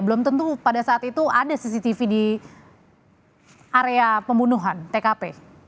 belum tentu pada saat itu ada cctv di area pembunuhan tkp